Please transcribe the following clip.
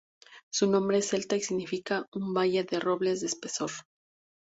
Su nombre es celta y significa "Un Valle de Robles de Espesor.